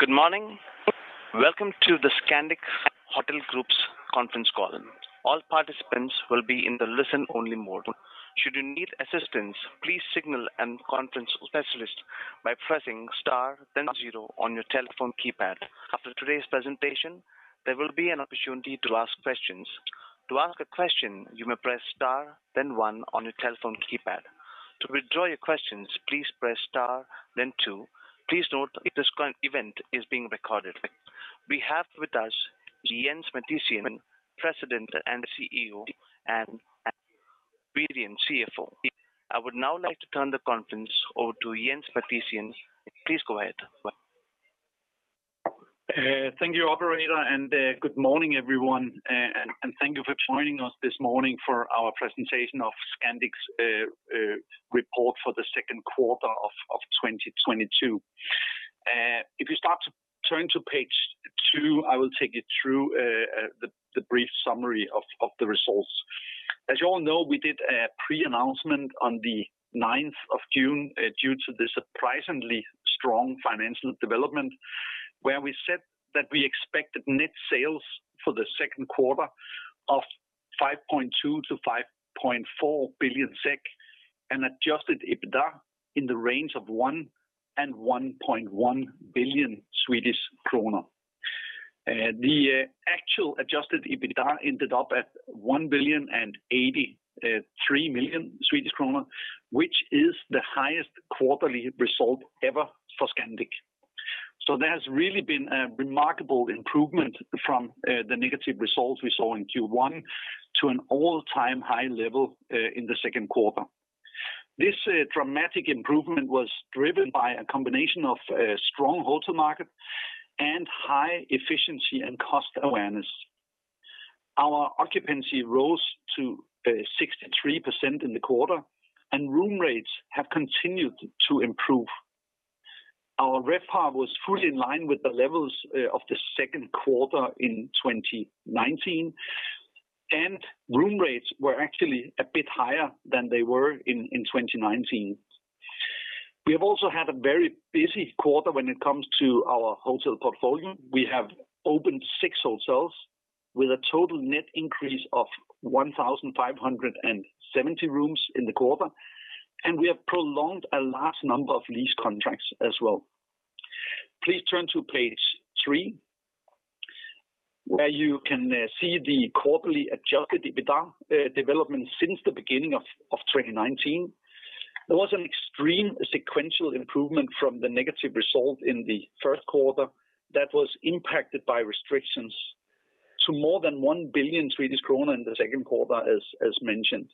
Good morning. Welcome to the Scandic Hotels Group's conference call. All participants will be in the listen only mode. Should you need assistance, please signal a conference specialist by pressing star then zero on your telephone keypad. After today's presentation, there will be an opportunity to ask questions. To ask a question, you may press star then one on your telephone keypad. To withdraw your questions, please press star then two. Please note this current event is being recorded. We have with us Jens Mathiesen, President and CEO, and Åsa Wirén, CFO. I would now like to turn the conference over to Jens Mathiesen. Please go ahead. Thank you, operator, and good morning, everyone, and thank you for joining us this morning for our presentation of Scandic's report for the Q2 of 2022. If you start to turn to page two, I will take you through the brief summary of the results. As you all know, we did a pre-announcement on the ninth of June due to the surprisingly strong financial development, where we said that we expected net sales for the Q2 of 5.2 billion-5.4 billion SEK and adjusted EBITDA in the range of 1 billion-1.1 billion Swedish kronor. The actual adjusted EBITDA ended up at 1.083 billion, which is the highest quarterly result ever for Scandic. There's really been a remarkable improvement from the negative results we saw in Q1 to an all-time high level in the Q2. This dramatic improvement was driven by a combination of strong hotel market and high efficiency and cost awareness. Our occupancy rose to 63% in the quarter, and room rates have continued to improve. Our RevPAR was fully in line with the levels of the Q2 in 2019, and room rates were actually a bit higher than they were in 2019. We have also had a very busy quarter when it comes to our hotel portfolio. We have opened six hotels with a total net increase of 1,570 rooms in the quarter, and we have prolonged a large number of lease contracts as well. Please turn to page 3, where you can see the quarterly adjusted EBITDA development since the beginning of 2019. There was an extreme sequential improvement from the negative result in the Q1 that was impacted by restrictions to more than 1 billion Swedish kronor in the Q2, as mentioned.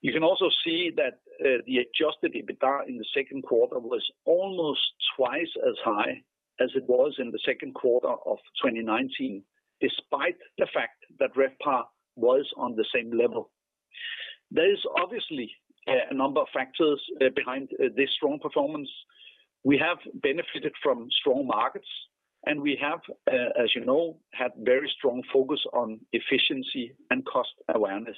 You can also see that the adjusted EBITDA in the Q2 was almost twice as high as it was in the Q2 of 2019, despite the fact that RevPAR was on the same level. There is obviously a number of factors behind this strong performance. We have benefited from strong markets, and we have, as you know, had very strong focus on efficiency and cost awareness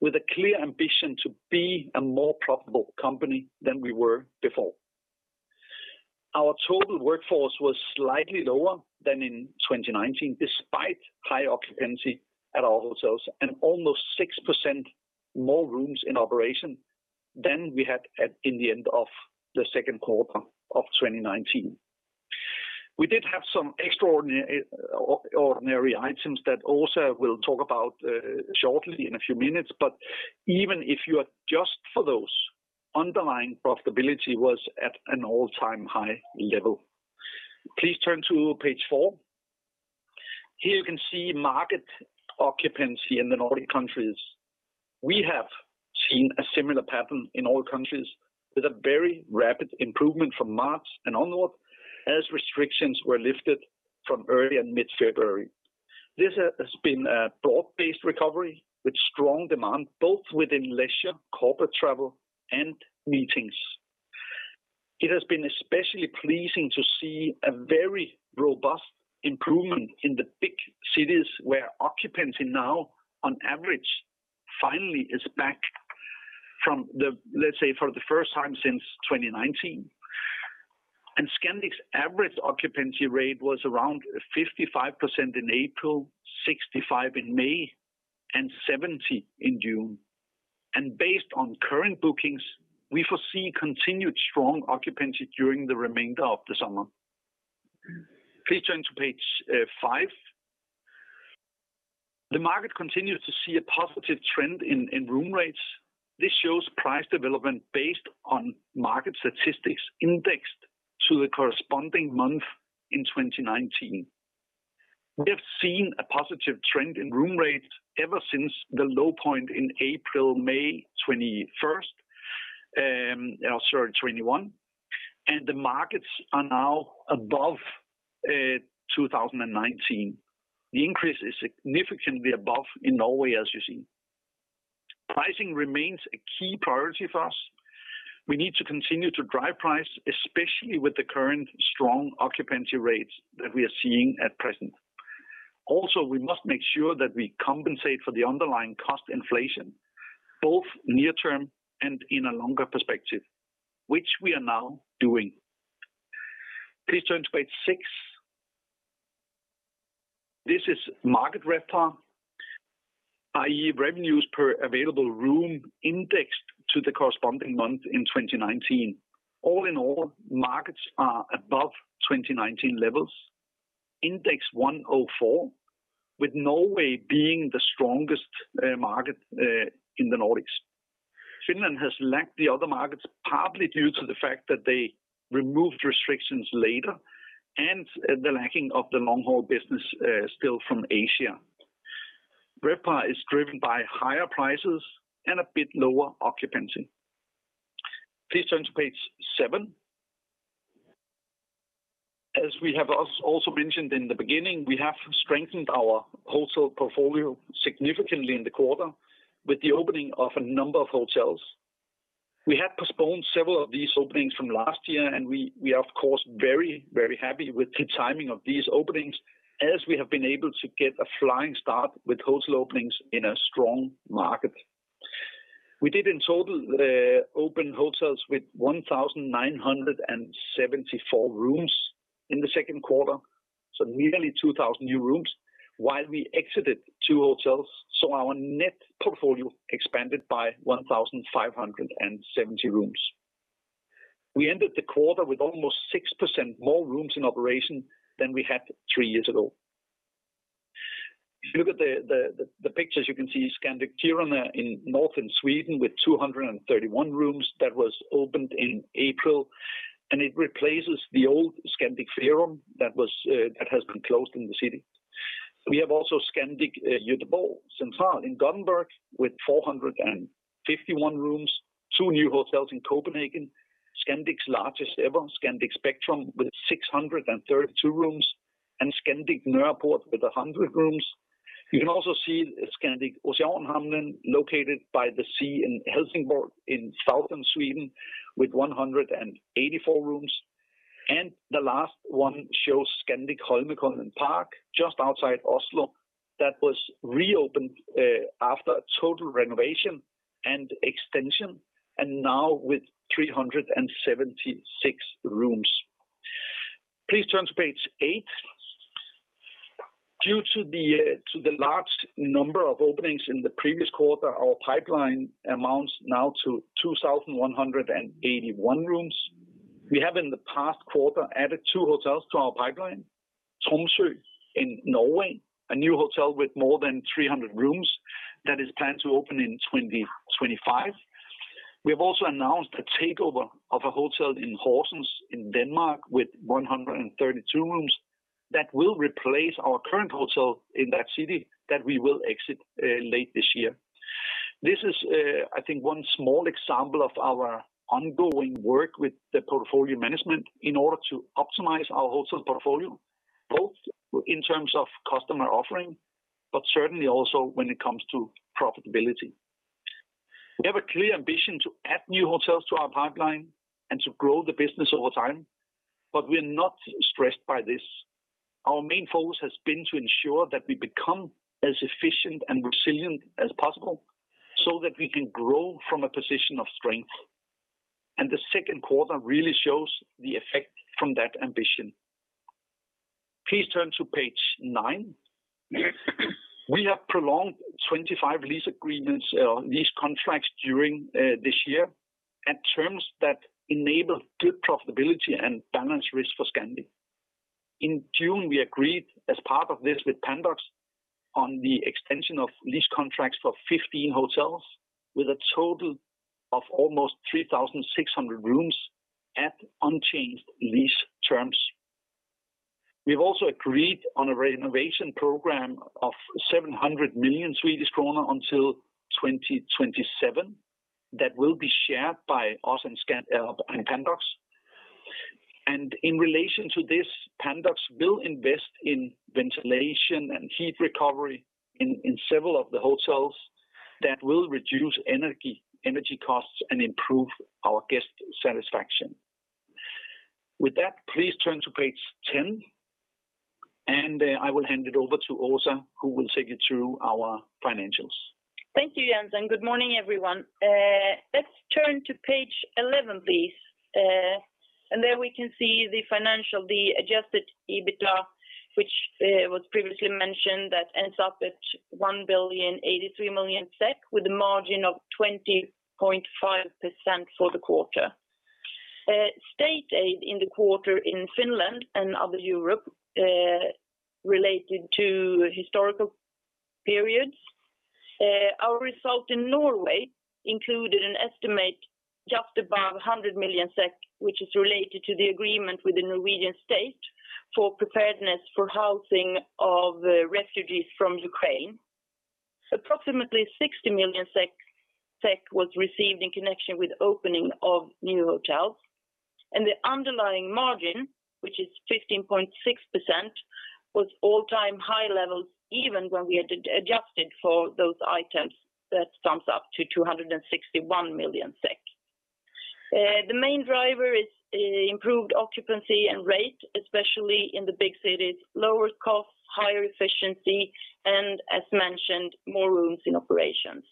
with a clear ambition to be a more profitable company than we were before. Our total workforce was slightly lower than in 2019, despite high occupancy at our hotels and almost 6% more rooms in operation than we had, at the end of the Q2 of 2019. We did have some extraordinary items that also we'll talk about shortly in a few minutes. Even if you adjust for those, underlying profitability was at an all-time high level. Please turn to page 4. Here you can see market occupancy in the Nordic countries. We have seen a similar pattern in all countries with a very rapid improvement from March and onward as restrictions were lifted from early and mid-February. This has been a broad-based recovery with strong demand both within leisure, corporate travel, and meetings. It has been especially pleasing to see a very robust improvement in the big cities where occupancy now, on average, finally is back, let's say for the first time since 2019. Scandic's average occupancy rate was around 55% in April, 65% in May, and 70% in June. Based on current bookings, we foresee continued strong occupancy during the remainder of the summer. Please turn to page 5. The market continues to see a positive trend in room rates. This shows price development based on market statistics indexed to the corresponding month in 2019. We have seen a positive trend in room rates ever since the low point in April, May 2021, and the markets are now above 2019. The increase is significantly above in Norway, as you see. Pricing remains a key priority for us. We need to continue to drive price, especially with the current strong occupancy rates that we are seeing at present. We must make sure that we compensate for the underlying cost inflation, both near-term and in a longer perspective, which we are now doing. Please turn to page 6. This is market RevPAR, i.e. revenues per available room indexed to the corresponding month in 2019. All in all, markets are above 2019 levels. Index 104, with Norway being the strongest market in the Nordics. Finland has lagged the other markets, partly due to the fact that they removed restrictions later and the lacking of the long-haul business still from Asia. RevPAR is driven by higher prices and a bit lower occupancy. Please turn to page 7. As we have also mentioned in the beginning, we have strengthened our hotel portfolio significantly in the quarter with the opening of a number of hotels. We have postponed several of these openings from last year, and we are of course very happy with the timing of these openings as we have been able to get a flying start with hotel openings in a strong market. We did in total open hotels with 1,974 rooms in the Q2, so nearly 2,000 new rooms, while we exited two hotels, so our net portfolio expanded by 1,570 rooms. We ended the quarter with almost 6% more rooms in operation than we had three years ago. If you look at the pictures, you can see Scandic Kiruna in Northern Sweden with 231 rooms that was opened in April, and it replaces the old Scandic Ferrum that has been closed in the city. We have also Scandic Göteborg Central in Gothenburg with 451 rooms. Two new hotels in Copenhagen, Scandic's largest-ever, Scandic Spectrum, with 632 rooms, and Scandic Nørreport with 100 rooms. You can also see Scandic Oceanhamnen located by the sea in Helsingborg, in Southern Sweden with 184 rooms. The last one shows Scandic Holmenkollen Park, just outside Oslo, that was reopened after a total renovation and extension, and now with 376 rooms. Please turn to page 8. Due to the large number of openings in the previous quarter, our pipeline amounts now to 2,081 rooms. We have in the past quarter added two hotels to our pipeline. Tromsø in Norway, a new hotel with more than 300 rooms that is planned to open in 2025. We have also announced a takeover of a hotel in Horsens in Denmark with 132 rooms that will replace our current hotel in that city that we will exit late this year. This is, I think, one small example of our ongoing work with the portfolio management in order to optimize our hotel portfolio, both in terms of customer offering, but certainly also when it comes to profitability. We have a clear ambition to add new hotels to our pipeline and to grow the business over time, but we're not stressed by this. Our main focus has been to ensure that we become as efficient and resilient as possible so that we can grow from a position of strength. The Q2 really shows the effect from that ambition. Please turn to page nine. We have prolonged 25 lease agreements, lease contracts during this year at terms that enable good profitability and balanced risk for Scandic. In June, we agreed as part of this with Pandox on the extension of lease contracts for 15 hotels with a total of almost 3,600 rooms at unchanged lease terms. We've also agreed on a renovation program of 700 million Swedish kronor until 2027 that will be shared by us and Pandox. In relation to this, Pandox will invest in ventilation and heat recovery in several of the hotels that will reduce energy costs and improve our guest satisfaction. With that, please turn to page 10, and I will hand it over to Åsa, who will take you through our financials. Thank you, Jens, and good morning, everyone. Let's turn to page 11, please. There we can see the adjusted EBITDA, which was previously mentioned that ends up at 1,083 million SEK with a margin of 20.5% for the quarter. State aid in the quarter in Finland and other Europe related to historical periods. Our result in Norway included an estimate just above 100 million SEK, which is related to the agreement with the Norwegian state for preparedness for housing of refugees from Ukraine. Approximately 60 million SEK was received in connection with opening of new hotels, and the underlying margin, which is 15.6%, was all-time high levels, even when we adjusted for those items that sum up to 261 million SEK. The main driver is improved occupancy and rate, especially in the big cities, lower costs, higher efficiency, and as mentioned, more rooms in operations.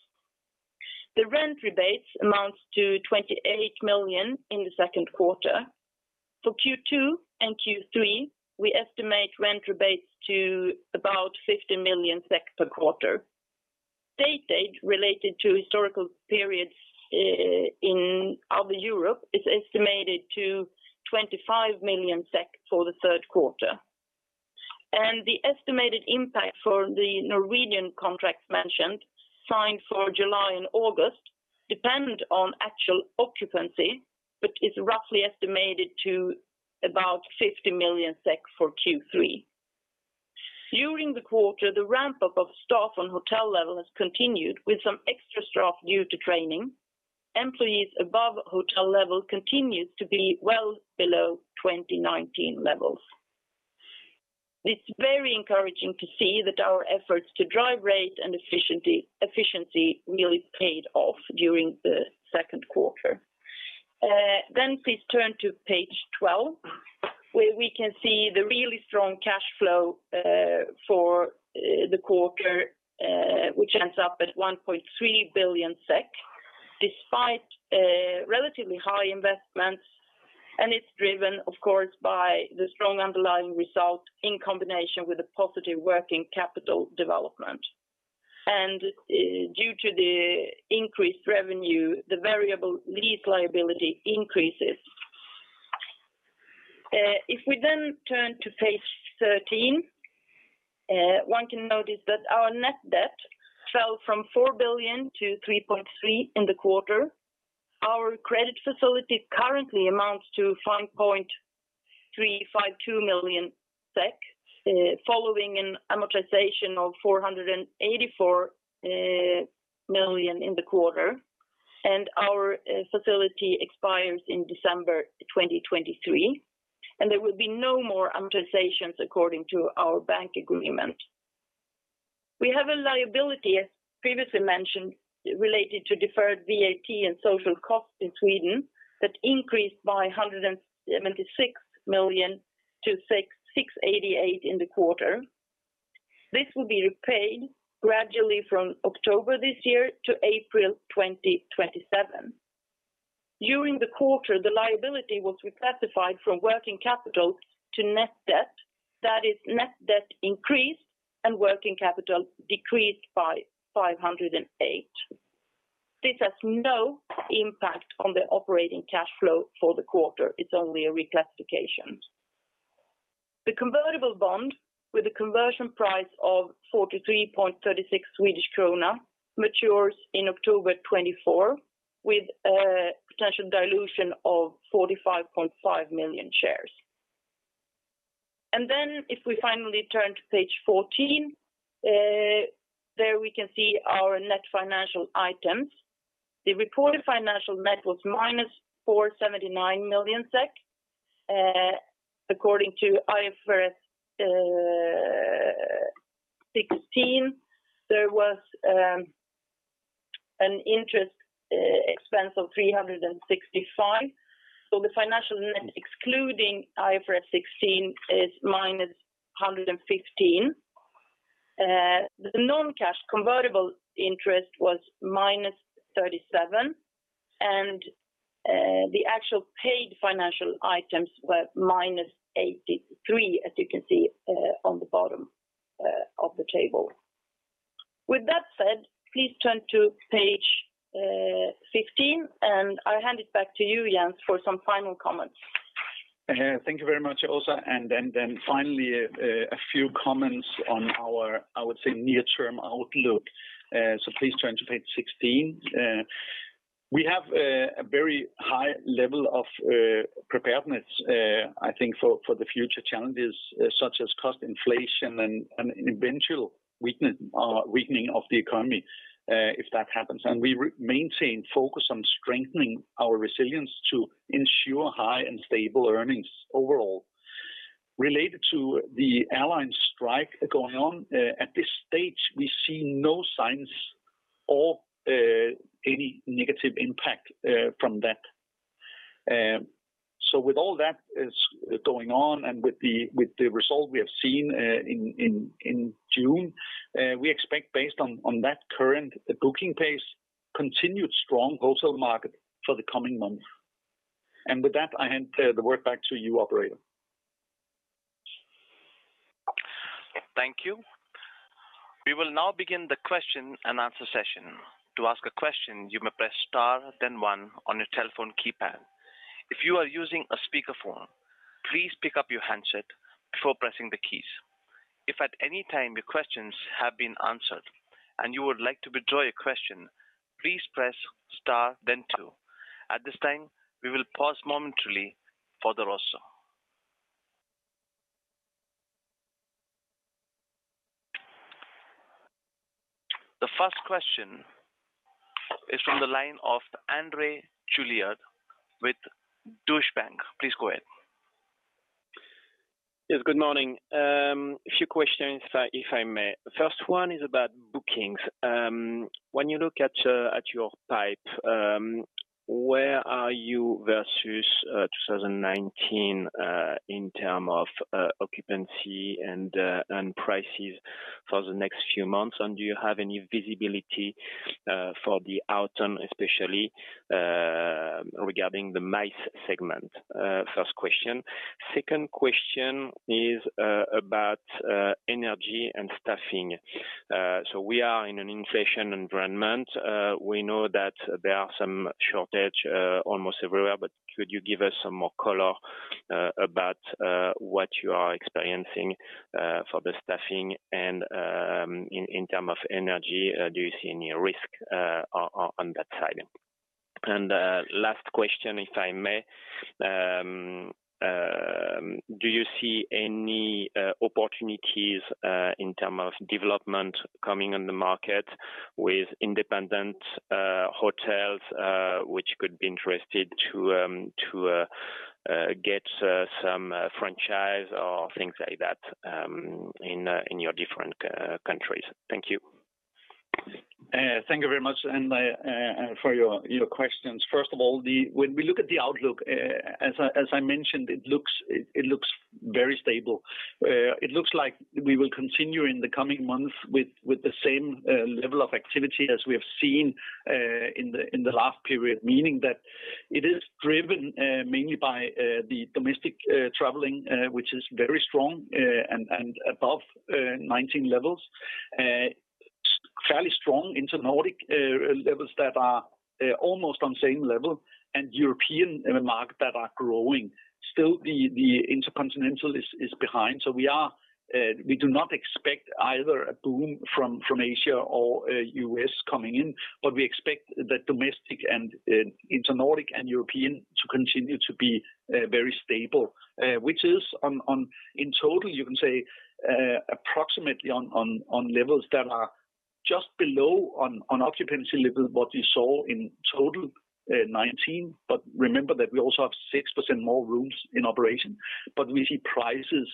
The rent rebates amount to 28 million in the Q2. For Q2 and Q3, we estimate rent rebates to about 50 million per quarter. Derecognition related to historical periods in other Europe is estimated to 25 million SEK for the Q3. The estimated impact for the Norwegian contracts mentioned signed for July and August depends on actual occupancy, but is roughly estimated to about 50 million for Q3. During the quarter, the ramp-up of staff on hotel level has continued with some extra staff due to training. Employees above hotel level, continues to be well below 2019 levels. It's very encouraging to see that our efforts to drive rates and efficiency really paid off during the Q2. Please turn to page 12, where we can see the really strong cash flow for the quarter, which ends up at 1.3 billion SEK despite relatively high investments. It's driven, of course, by the strong underlying result in combination with a positive working capital development. Due to the increased revenue, the variable lease liability increases. If we then turn to page 13, one can notice that our net debt fell from 4 billion to 3.3 billion in the quarter. Our credit facility currently amounts to 5.352 million SEK following an amortization of 484 million in the quarter. Our facility expires in December 2023, and there will be no more amortizations according to our bank agreement. We have a liability, as previously mentioned, related to deferred VAT and social costs in Sweden that increased by 176 million to 668 million in the quarter. This will be repaid gradually from October this year to April 2027. During the quarter, the liability was reclassified from working capital to net debt. That is net debt increased and working capital decreased by 508 million. This has no impact on the operating cash flow for the quarter. It's only a reclassification. The convertible bond with a conversion price of 43.36 Swedish krona matures in October 2024, with a potential dilution of 45.5 million shares. If we finally turn to page 14, there we can see our net financial items. The reported financial net was -479 million SEK. According to IFRS 16, there was an interest expense of 365 million SEK. The financial net, excluding IFRS 16, is -115 million SEK. The non-cash convertible interest was -37 million SEK. The actual paid financial items were -83 million SEK, as you can see on the bottom of the table. With that said, please turn to page 15, and I'll hand it back to you, Jens, for some final comments. Thank you very much, Åsa. Finally a few comments on our, I would say, near-term outlook. Please turn to page 16. We have a very high level of preparedness, I think for the future challenges such as cost inflation and an eventual weakening of the economy, if that happens. We maintain focus on strengthening our resilience to ensure high and stable earnings overall. Related to the airline strike going on, at this stage, we see no signs of any negative impact from that. With all that is going on and with the result we have seen in June, we expect based on that current booking pace, continued strong wholesale market for the coming months. With that, I hand the word back to you, operator. Thank you. We will now begin the question-and-answer session. To ask a question, you may press star then one on your telephone keypad. If you are using a speakerphone, please pick up your handset before pressing the keys. If at any time your questions have been answered and you would like to withdraw your question, please press star then two. At this time, we will pause momentarily for the roster. The first question is from the line of André Juillard with Deutsche Bank. Please go ahead. Yes. Good morning. A few questions if I may. First one is about bookings. When you look at your pipeline, where are you versus 2019 in terms of occupancy and prices for the next few months? Do you have any visibility for the autumn, especially regarding the MICE segment? First question. Second question is about energy and staffing. We are in an inflation environment. We know that there are some shortage almost everywhere. Could you give us some more color about what you are experiencing for the staffing and in terms of energy, do you see any risk on that side? Last question, if I may. Do you see any opportunities in terms of development coming on the market with independent hotels which could be interested to get some franchise or things like that in your different countries? Thank you. Thank you very much, and for your questions. First of all, when we look at the outlook, as I mentioned, it looks very stable. It looks like we will continue in the coming months with the same level of activity as we have seen in the last period, meaning that it is driven mainly by the domestic traveling, which is very strong, and above 19 levels. Fairly strong inter-Nordic levels that are almost on same level and European market that are growing. Still, the intercontinental is behind, so we do not expect either a boom from Asia or U.S. coming in. We expect the domestic and inter-Nordic and European to continue to be very stable. Which is in total, you can say, approximately on levels that are just below occupancy levels what you saw in total, 2019. Remember that we also have 6% more rooms in operation. We see prices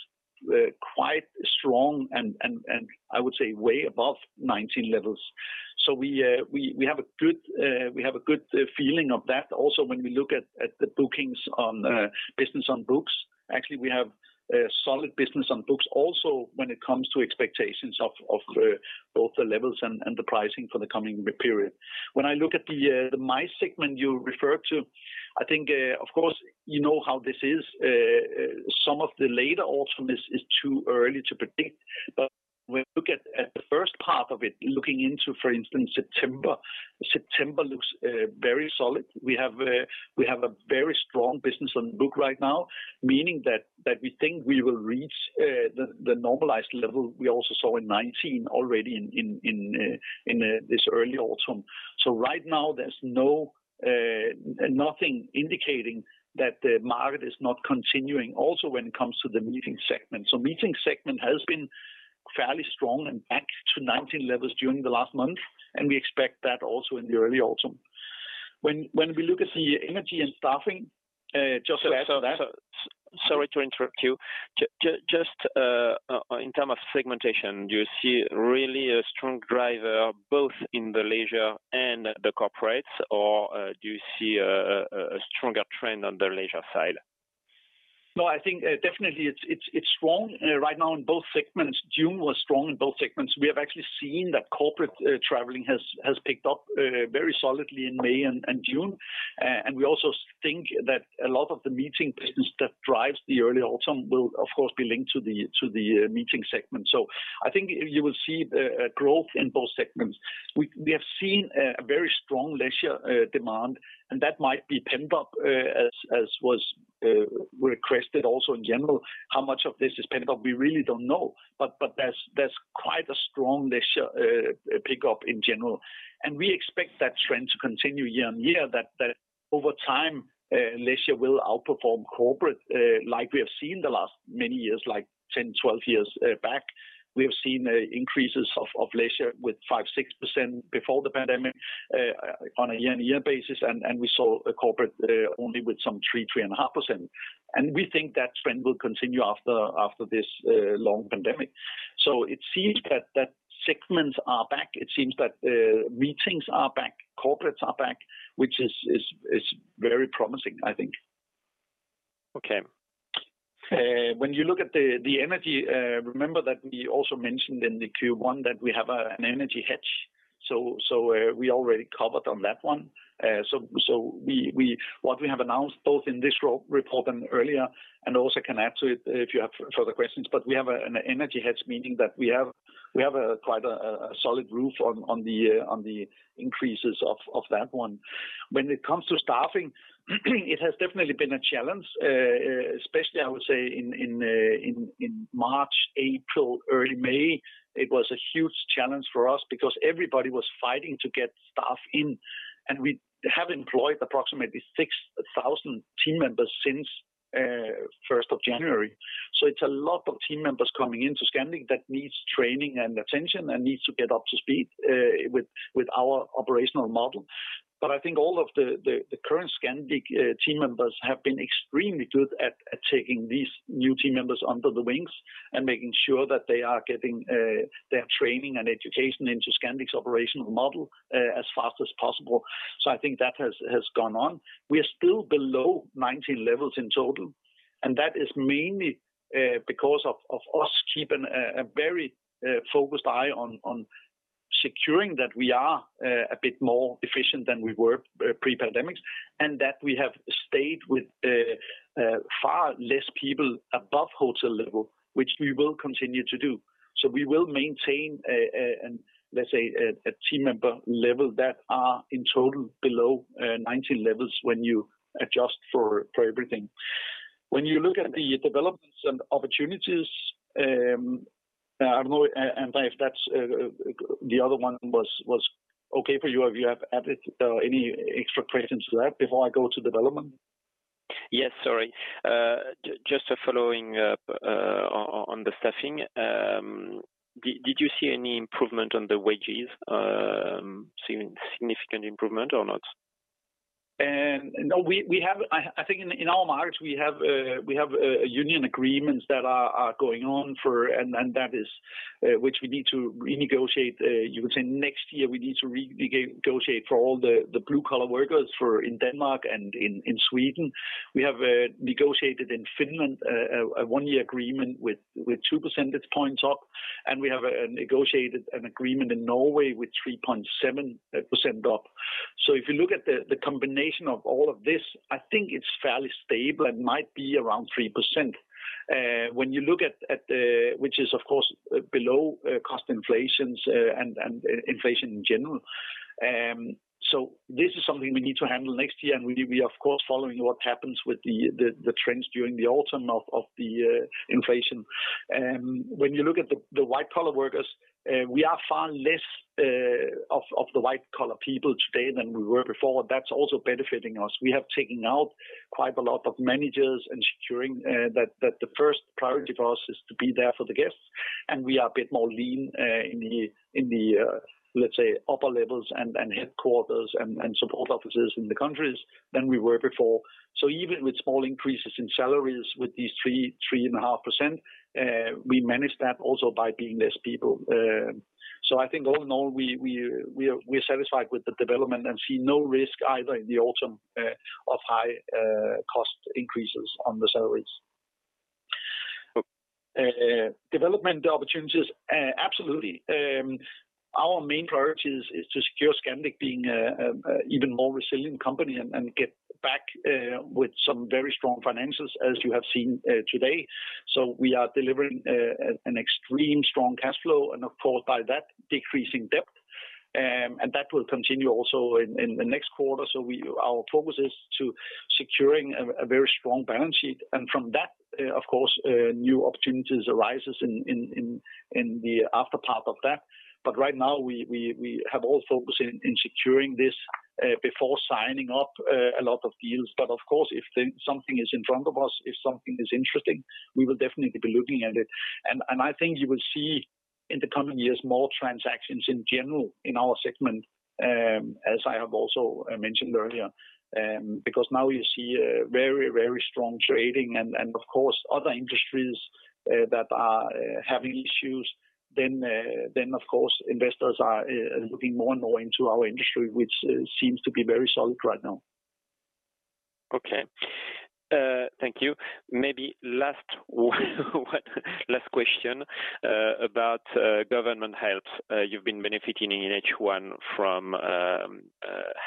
quite strong and I would say way above 2019 levels. We have a good feeling of that. Also, when we look at the bookings on business on books, actually we have solid business on books also when it comes to expectations of both the levels and the pricing for the coming year period. When I look at the MICE segment you referred to, I think, of course, you know how this is. Some of the later autumn is too early to predict. When we look at the first part of it, looking into, for instance, September. September looks very solid. We have a very strong business on book right now, meaning that we think we will reach the normalized level we also saw in 2019 already in this early autumn. Right now there's no nothing indicating that the market is not continuing also when it comes to the meeting segment. Meeting segment has been fairly strong and back to 2019 levels during the last month, and we expect that also in the early autumn. When we look at the energy and staffing, just to add to that. Sorry to interrupt you. Just in terms of segmentation, do you see really a strong driver both in the leisure and the corporates? Or do you see a stronger trend on the leisure side? No, I think definitely it's strong right now in both segments. June was strong in both segments. We have actually seen that corporate traveling has picked up very solidly in May and June. We also think that a lot of the meeting business that drives the early autumn will of course be linked to the meeting segment. I think you will see a growth in both segments. We have seen a very strong leisure demand, and that might be pent up as was requested also in general. How much of this is pent up? We really don't know. There's quite a strong leisure pick up in general. We expect that trend to continue year-on-year, that over time, leisure will outperform corporate, like we have seen the last many years, like 10, 12 years, back. We have seen increases of leisure with 5, 6% before the pandemic, on a year-on-year basis. We saw a corporate only with some 3.5%. We think that trend will continue after this long pandemic. It seems that segments are back. It seems that meetings are back, corporates are back, which is very promising, I think. Okay. When you look at the energy, remember that we also mentioned in the Q1 that we have an energy hedge. So we already covered on that one. So what we have announced both in this report and earlier, and also can add to it if you have further questions, but we have an energy hedge, meaning that we have quite a solid roof on the increases of that one. When it comes to staffing, it has definitely been a challenge, especially I would say in March, April, early May. It was a huge challenge for us because everybody was fighting to get staff in. We have employed approximately 6,000 team members since first of January. It's a lot of team members coming into Scandic that needs training and attention and needs to get up to speed with our operational model. I think all of the current Scandic team members have been extremely good at taking these new team members under the wings and making sure that they are getting their training and education into Scandic's operational model as fast as possible. I think that has gone on. We are still below 19 levels in total, and that is mainly because of us keeping a very focused eye on securing that we are a bit more efficient than we were pre-pandemic, and that we have stayed with far less people above hotel level, which we will continue to do. We will maintain a team member level that are in total below 19 levels when you adjust for everything. When you look at the developments and opportunities, I don't know and if that's the other one was okay for you, or if you have added any extra questions to that before I go to development. Yes, sorry. Just following up on the staffing. Did you see any improvement on the wages? Significant improvement or not? No, we have. I think in all markets we have union agreements that are going on. That is which we need to renegotiate, you would say next year. We need to renegotiate for all the blue collar workers in Denmark and in Sweden. We have negotiated in Finland a one-year agreement with two percentage points up, and we have negotiated an agreement in Norway with 3.7% up. If you look at the combination of all of this, I think it's fairly stable and might be around 3%. When you look at which is of course below cost inflation and inflation in general. This is something we need to handle next year. We of course following what happens with the trends during the autumn of inflation. When you look at the white collar workers, we are far less of the white collar people today than we were before. That's also benefiting us. We have taken out quite a lot of managers ensuring that the first priority for us is to be there for the guests. We are a bit more lean in the let's say upper levels and headquarters and support offices in the countries than we were before. Even with small increases in salaries with these 3.5%, we manage that also by being less people. I think all in all, we're satisfied with the development and see no risk either in the autumn of high cost increases on the salaries. Development opportunities. Absolutely. Our main priority is to secure Scandic being a even more resilient company and get back with some very strong finances as you have seen today. We are delivering an extreme strong cash flow and of course by that decreasing debt. That will continue also in the next quarter. Our focus is to securing a very strong balance sheet. From that, of course, new opportunities arises in the after part of that. Right now we have all focus in securing this before signing up a lot of deals. Of course if something is in front of us, if something is interesting, we will definitely be looking at it. I think you will see in the coming years more transactions in general in our segment, as I have also mentioned earlier. Because now you see a very strong trading and of course other industries that are having issues then of course investors are looking more and more into our industry, which seems to be very solid right now. Okay. Thank you. Maybe last question about government helps. You've been benefiting in H1 from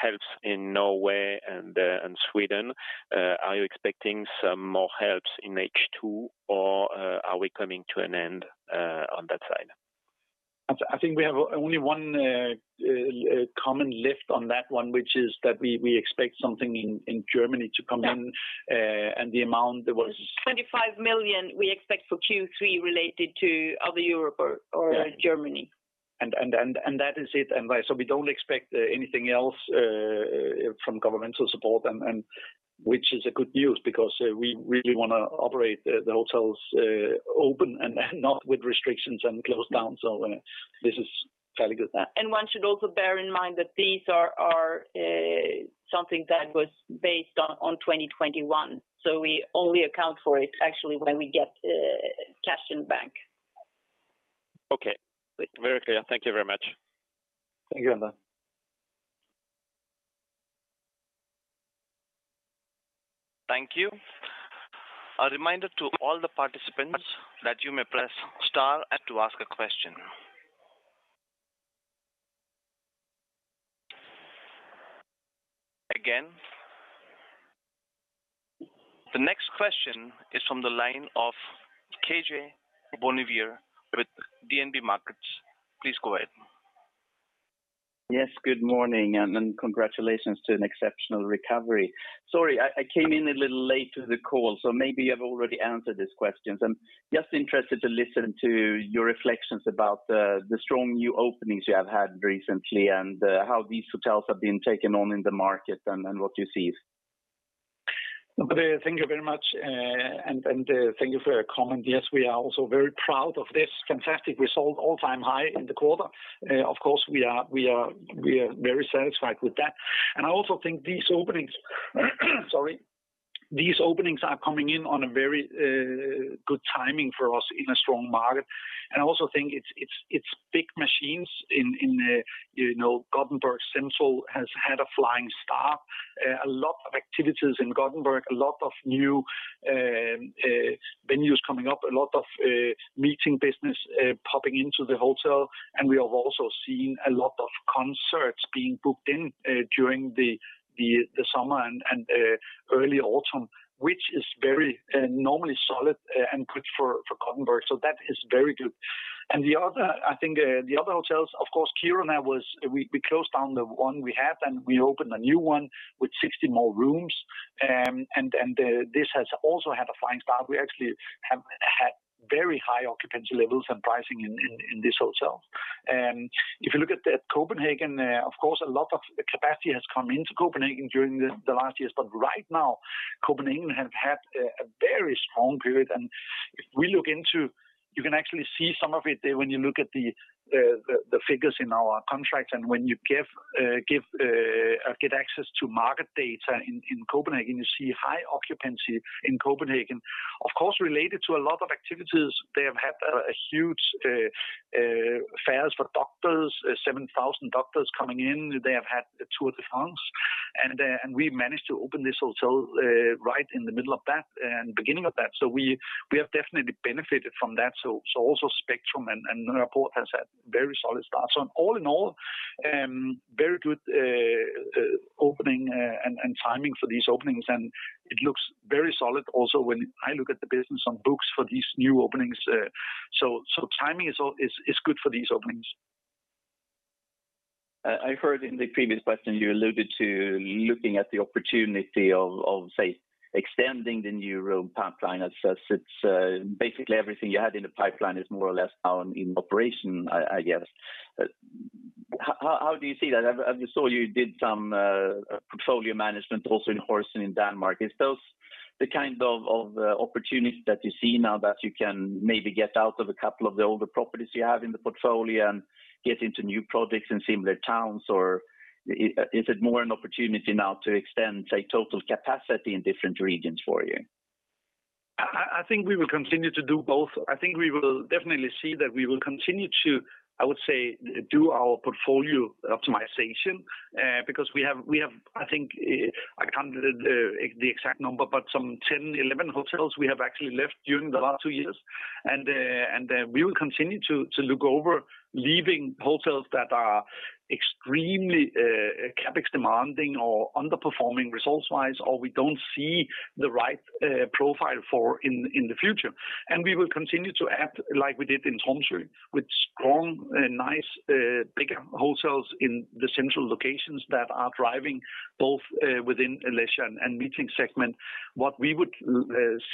helps in Norway and Sweden. Are you expecting some more helps in H2 or are we coming to an end on that side? I think we have only one common lift on that one, which is that we expect something in Germany to come in. Yeah. The amount that was. 25 million we expect for Q3 related to other Europe or Germany. That is it. We don't expect anything else from governmental support and which is a good news because we really wanna operate the hotels open and not with restrictions and closed down. This is fairly good. One should also bear in mind that these are something that was based on 2021, so we only account for it actually when we get cash in bank. Okay. Very clear. Thank you very much. Thank you. Thank you. A reminder to all the participants that you may press star to ask a question. Again. The next question is from the line of Karl-Johan Bonnevier with DNB Markets. Please go ahead. Yes, good morning. Congratulations to an exceptional recovery. Sorry, I came in a little late to the call, so maybe you have already answered these questions. I'm just interested to listen to your reflections about the strong new openings you have had recently and how these hotels have been taken on in the market and what you see. Thank you very much, and thank you for your comment. Yes, we are also very proud of this fantastic result, all-time high in the quarter. Of course, we are very satisfied with that. I also think these openings are coming in on a very good timing for us in a strong market. I also think Scandic Göteborg Central has had a flying start. A lot of activities in Gothenburg, a lot of new venues coming up, a lot of meeting business popping into the hotel. We have also seen a lot of concerts being booked in during the summer and early autumn, which is normally very solid and good for Gothenburg. That is very good. I think the other hotels, of course, Kiruna was. We closed down the one we had, and we opened a new one with 60 more rooms. This has also had a flying start. We actually have had very high occupancy levels and pricing in this hotel. If you look at Copenhagen, of course, a lot of capacity has come into Copenhagen during the last years. Right now, Copenhagen has had a very strong period. If we look into it, you can actually see some of it when you look at the figures in our contracts and when you get access to market data in Copenhagen, you see high occupancy in Copenhagen. Of course, related to a lot of activities. They have had a huge fair for doctors, 7,000 doctors coming in. They have had the Tour de France. we managed to open this hotel right in the middle of that and beginning of that. we have definitely benefited from that. also Scandic Spectrum and Scandic Nørreport have had very solid starts. all in all, very good opening and timing for these openings. it looks very solid also when I look at the business on books for these new openings. timing is all good for these openings. I heard in the previous question you alluded to looking at the opportunity of say extending the new room pipeline as it's basically everything you had in the pipeline is more or less now in operation, I guess. How do you see that? As we saw, you did some portfolio management also in Horsens in Denmark. Is those the kind of opportunity that you see now that you can maybe get out of a couple of the older properties you have in the portfolio and get into new projects in similar towns? Or is it more an opportunity now to extend say total capacity in different regions for you? I think we will continue to do both. I think we will definitely see that we will continue to, I would say, do our portfolio optimization, because we have, I think, I can't do the exact number, but some 10, 11 hotels we have actually left during the last two years. We will continue to look over leaving hotels that are extremely CapEx demanding or underperforming results-wise, or we don't see the right profile for in the future. We will continue to add like we did in Tromsø with strong, nice, bigger hotels in the central locations that are driving both within leisure and meeting segment, what we would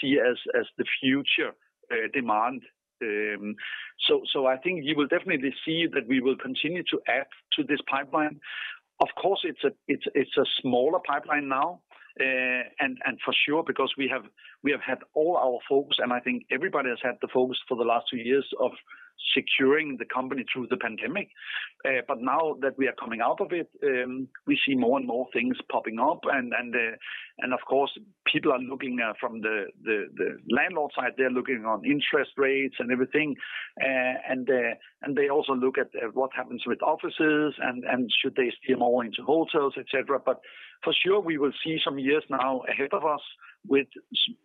see as the future demand. I think you will definitely see that we will continue to add to this pipeline. Of course, it's a smaller pipeline now. For sure, because we have had all our focus, and I think everybody has had the focus for the last two years of securing the company through the pandemic. But now that we are coming out of it, we see more and more things popping up. Of course, people are looking from the landlord side. They're looking on interest rates and everything. They also look at what happens with offices and should they steer more into hotels, et cetera. For sure, we will see some years now ahead of us with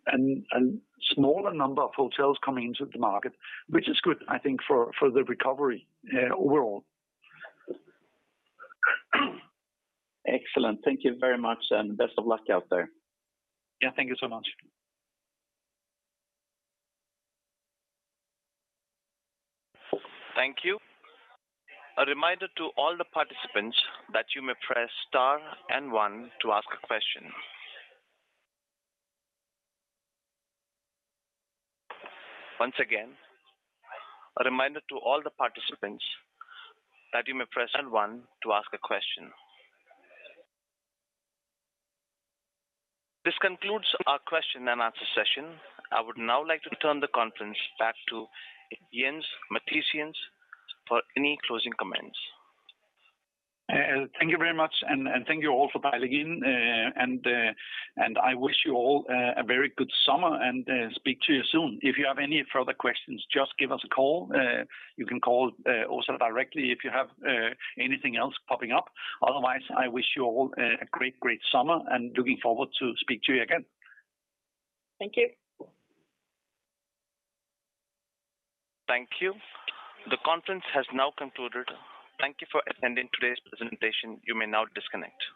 a smaller number of hotels coming into the market, which is good, I think, for the recovery, overall. Excellent. Thank you very much, and best of luck out there. Yeah, thank you so much. Thank you. A reminder to all the participants that you may press star and one to ask a question. Once again, a reminder to all the participants that you may press star and one to ask a question. This concludes our question and answer session. I would now like to turn the conference back to Jens Mathiesen for any closing comments. Thank you very much, and thank you all for dialing in. I wish you all a very good summer, and speak to you soon. If you have any further questions, just give us a call. You can call also directly if you have anything else popping up. Otherwise, I wish you all a great summer, and looking forward to speak to you again. Thank you. Thank you. The conference has now concluded. Thank you for attending today's presentation. You may now disconnect.